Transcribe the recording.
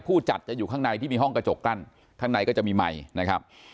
ผู้จัดจะอยู่ข้างในที่มีห้องกระจกกั้นข้างในก็จะมีไมค์นะครับ